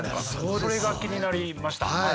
それが気になりました。